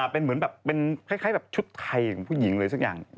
เป็นเหมือนแบบเป็นคล้ายแบบชุดไทยของผู้หญิงเลยสักอย่าง